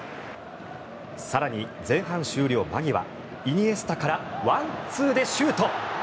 更に、前半終了間際イニエスタからワンツーでシュート。